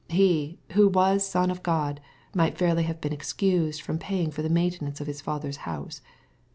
He, who was Son of God, might fairly have been excused from paying for the maintenance of His Father's house.